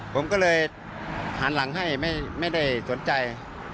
ผมก็เลยหันหลังให้ไม่ได้สนใจ